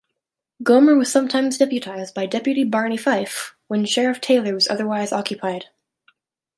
Gomer was sometimes deputized by Deputy Barney Fife, when Sheriff Taylor was otherwise occupied.